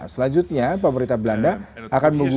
selanjutnya pemerintah belanda akan menggunakan